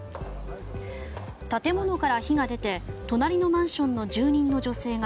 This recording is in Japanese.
建物から火が出て隣のマンションの住人の女性が